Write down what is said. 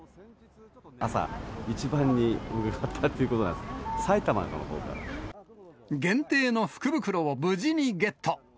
朝一番に向かったっていうこ限定の福袋を無事にゲット。